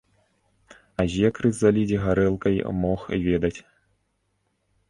А зекры заліць гарэлкай мог ведаць.